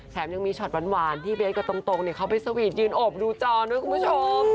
แถมยังมีช็อตหวานที่เบสกับตรงเขาไปสวีทยืนโอบดูจอด้วยคุณผู้ชม